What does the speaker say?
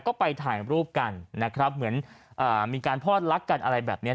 ก็ไปถ่ายรูปกันนะครับเหมือนอ่ามีการพอดรักกันอะไรแบบนี้